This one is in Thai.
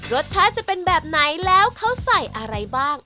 รสชาติจะเป็นแบบไหนแล้วเขาใส่อะไรบ้าง